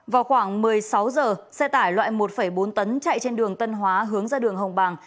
vào khoảng một mươi sáu giờ xe tải loại một bốn tấn chạy trên đường tân hóa hướng ra đường hồng bàng